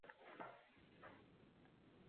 Mulkdor va operator quyidagi hollarda